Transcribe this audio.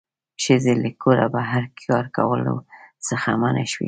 ښځې له کوره بهر کار کولو څخه منع شوې